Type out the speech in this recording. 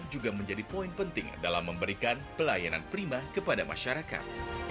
juga menjadi poin penting dalam memberikan pelayanan prima kepada masyarakat